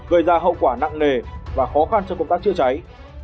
gây ra hậu quả nặng nề và khó khăn cho công tác chữa cháy